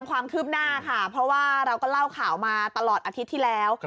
ความคืบหน้าค่ะเพราะว่าเราก็เล่าข่าวมาตลอดอาทิตย์ที่แล้ว